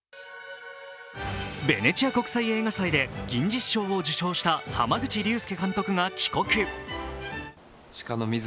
ベネチア国際映画祭で銀獅子賞を受賞した濱口竜介監督が帰国。